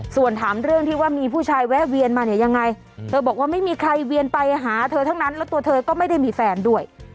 ส่วนถามเรื่องที่ว่ามีผู้ชายแวะเวียนมาเนี่ยยังไงเธอบอกว่าไม่มีใครเวียนไปหาเธอทั้งนั้นแล้วตัวเธอก็ไม่ได้มีแฟนด้วย